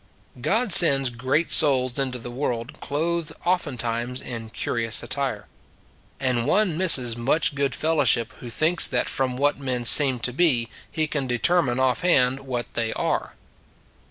God sends great souls into the world clothed oftentimes in curious attire. And one misses much good fellowship who thinks that from what men seem to be he can determine offhand what they are.